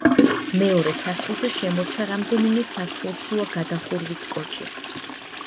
მეორე სართულზე შემორჩა რამდენიმე სართულშუა გადახურვის კოჭი.